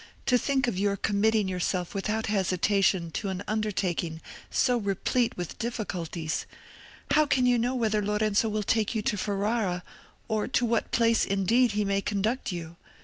to think of your committing yourself without hesitation to an undertaking so replete with difficulties! How can you know whether Lorenzo will take you to Ferrara, or to what place indeed he may conduct you?